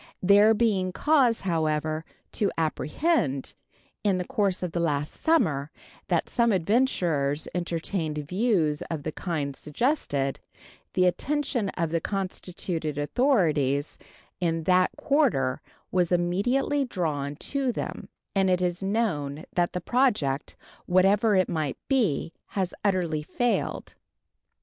There being cause, however, to apprehend, in the course of the last summer, that some adventurers entertained views of the kind suggested, the attention of the constituted authorities in that quarter was immediately drawn to them, and it is known that the project, whatever it might be, has utterly failed.